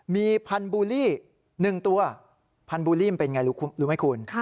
๒มีพันธุ์บูลี่๑ตัวพันธุ์บูลี่มันเป็นอย่างไรรู้ไหมคุณ